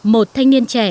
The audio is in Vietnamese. một thanh niên trẻ